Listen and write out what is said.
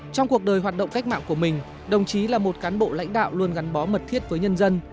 trong cuộc đời hoạt động cách mạng của mình đồng chí là một cán bộ lãnh đạo luôn gắn bó mật thiết với nhân dân